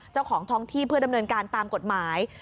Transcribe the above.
เจ้าของท้องที่เพื่อดำเนินการตามกฎหมาย